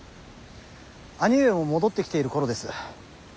兄上も戻ってきている頃です。